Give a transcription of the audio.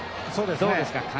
そうですね。